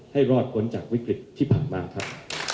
ให้รอดพ้นจากวิกฤตที่ผ่านมาครับ